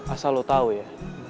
asal lo tau ya